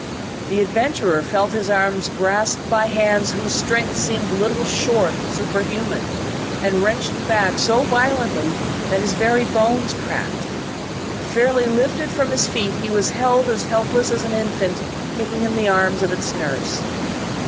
The adventurer felt his arms grasped by hands whose strength seemed little short of superhuman, and wrenched back so violently that his very bones cracked. Fairly lifted from his feet, he was held as helpless as an infant kicking in the arms of its nurse.